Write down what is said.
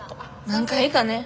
何回かね。